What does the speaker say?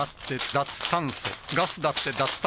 脱炭素ガス・だって・